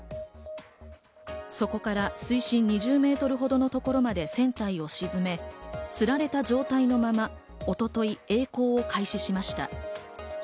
そこから水深２０メートルほどのところまで船体を沈め、吊られた状態のまま、一昨日、えい航を開始しました。